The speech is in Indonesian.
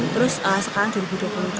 terus sekarang dua ribu dua puluh tiga